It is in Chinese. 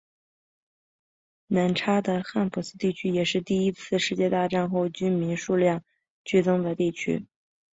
南叉的汉普顿地区也是第二次世界大战后居民数量剧增的地区。